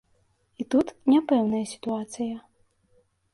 І тут няпэўная сітуацыя.